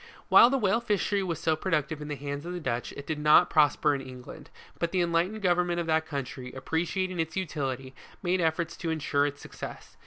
While the whale fishery was so productive in the hands of the Dutch, it did not prosper in England : but the enlightened govern ment of that country, appreciating its utility, made efforts to in sure its success.